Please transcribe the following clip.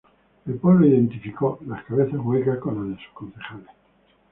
El pueblo identificó las cabezas "huecas" con las de sus concejales.